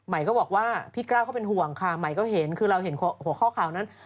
ก็บอกว่าพี่กล้าเขาเป็นห่วงค่ะใหม่ก็เห็นคือเราเห็นหัวข้อข่าวนั้น